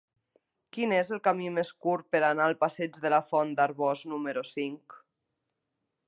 Quin és el camí més curt per anar al passeig de la Font d'Arboç número cinc?